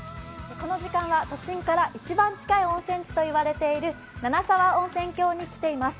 この時間は都心から一番近い温泉地と言われている七沢温泉郷に来ています。